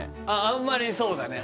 あんまりそうだね